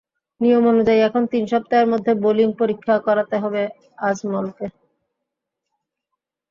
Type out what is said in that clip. নিয়ম অনুযায়ী এখন তিন সপ্তাহের মধ্যে বোলিং পরীক্ষা করাতে হবে আজমলকে।